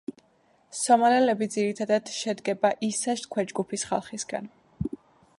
სომალელები ძირითადად შედგება ისას ქვეჯგუფის ხალხისაგან.